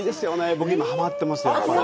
僕、今、はまってますよ。